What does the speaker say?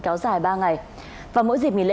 kéo dài ba ngày và mỗi dịp nghỉ lễ